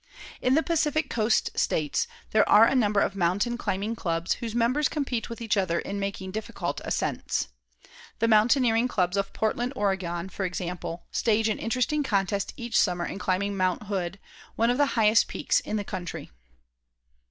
In the Pacific Coast States there are a number of mountain climbing clubs whose members compete with each other in making difficult ascents. The mountaineering clubs of Portland, Oregon, for example, stage an interesting contest each summer in climbing Mount Hood, one of the highest peaks in the country.